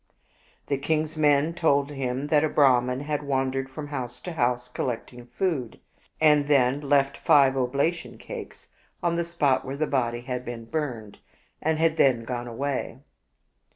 The king's men told him that a Brahman had wandered from house to house collecting food, and had then left five oblation cakes on the 171 Oriental Mystery Stories spot where the body had been burned, and had then gone away.